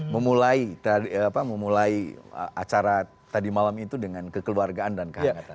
memulai acara tadi malam itu dengan kekeluargaan dan kehangatan